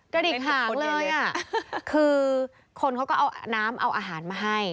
กระดิกหางเลยอ่ะคือคนเขาก็เอาน้ำเอาอาหารมาให้